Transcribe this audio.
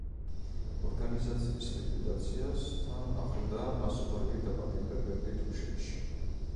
ორგანიზაციის ლიკვიდაციას თან ახლდა მასობრივი დაპატიმრებები თუშეთში.